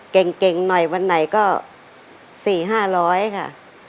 เก่งหน่อยวันไหนก็๔๕๐๐ค่ะ